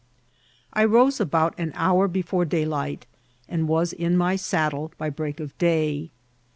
I E08B «bout an hour befcNre dmylight, and was in my •addle by break of day.